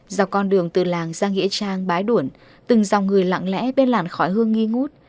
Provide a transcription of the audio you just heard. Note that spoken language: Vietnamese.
do con đường từ làng ra nghịa trang bái đuổn từng dòng người lặng lẽ bên làng khỏi hương nghi ngút